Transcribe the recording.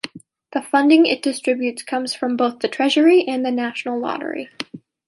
The funding it distributes comes from both the Treasury and the National Lottery.